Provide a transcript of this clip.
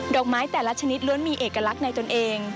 อกไม้แต่ละชนิดล้วนมีเอกลักษณ์ในตนเอง